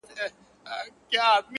د پردیو په کوڅه کي ارمانونه ښخومه!